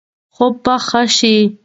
خوب به ښه شي.